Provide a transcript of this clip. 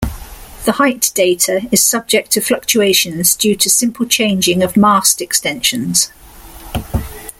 The height data is subject to fluctuations due to simple changing of mast extensions.